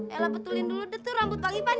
ella betulin dulu deh tuh rambut bang ipan ya